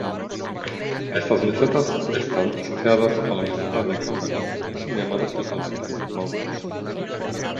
Estas mesetas están asociados a la meseta de Cumberland, y son llamados localmente "mountains".